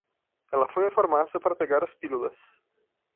Ela foi à farmácia para pegar as pílulas.